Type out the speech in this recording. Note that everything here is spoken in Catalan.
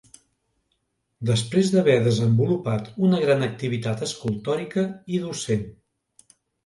Després d'haver desenvolupat una gran activitat escultòrica i docent.